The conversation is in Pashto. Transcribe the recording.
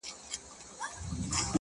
کنه دی په پنیر کله اموخته وو!!